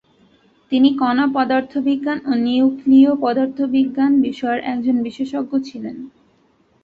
তিনি কণা পদার্থবিজ্ঞান ও নিউক্লীয় পদার্থবিজ্ঞান বিষয়ের একজন বিশেষজ্ঞ ছিলেন।